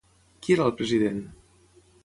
Qui era el president?